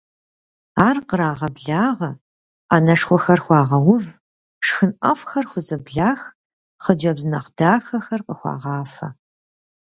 Ар кърагъэблагъэ, ӏэнэшхуэхэр хуагъэув, шхын ӏэфӏхэр хузэблах, хъыджэбз нэхъ дахэхэр къыхуагъафэ.